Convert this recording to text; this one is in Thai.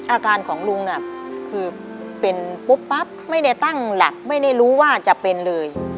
อาการของลุงน่ะคือเป็นปุ๊บปั๊บไม่ได้ตั้งหลักไม่ได้รู้ว่าจะเป็นเลย